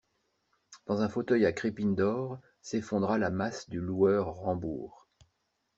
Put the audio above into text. Dans un fauteuil à crépines d'or, s'effondra la masse du loueur Rambourg.